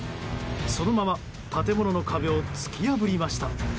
そのまま建物の壁を突き破りました。